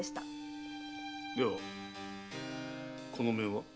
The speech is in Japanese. ではこの面は？